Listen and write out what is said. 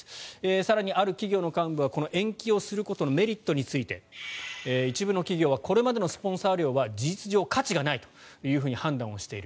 更に、ある企業の幹部は延期をすることのメリットについて一部の企業はこれまでのスポンサー料は事実上、価値がないというふうに判断をしている。